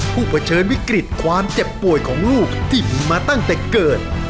เผชิญวิกฤตความเจ็บป่วยของลูกที่มีมาตั้งแต่เกิด